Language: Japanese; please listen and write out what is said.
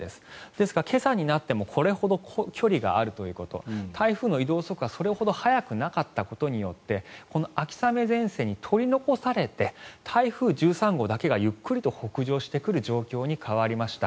ですが、今朝になってもこれほど距離があるということ台風の移動速度がそれほど速くなかったことによってこの秋雨前線に取り残されて台風１３号だけがゆっくりと北上してくる状況に変わりました。